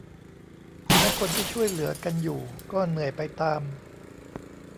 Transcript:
และคนที่ช่วยเหลือกันอยู่ก็เหนื่อยไปตาม